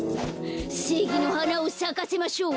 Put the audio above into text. せいぎのはなをさかせましょう。